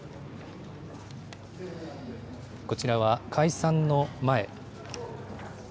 こちらは解散の前。